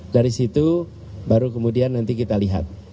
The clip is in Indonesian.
dari situ baru kemudian nanti kita lihat